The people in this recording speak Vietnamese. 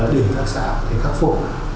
để các xã có thể khắc phục